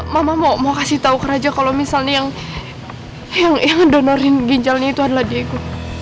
mama mau kasih tau ke raja kalau misalnya yang donorin ginjalnya itu adalah diego